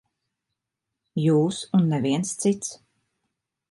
Jūs un neviens cits.